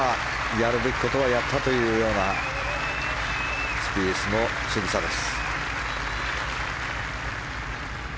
やるべきことはやったというようなスピースのしぐさです。